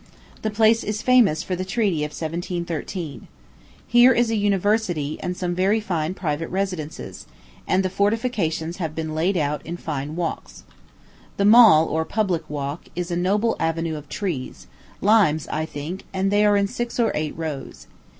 The place is famous for the treaty of 1713. Here is a university, and some very fine private residences; and the fortifications have been laid out in fine walks. The Mall, or public walk, is a noble avenue of trees, limes, I think, and they are in six or eight rows.